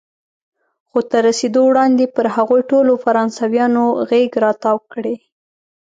خو تر رسېدو وړاندې به پر هغوی ټولو فرانسویان غېږ را تاو کړي.